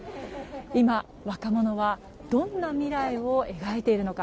今、若者はどんな未来を描いているのか。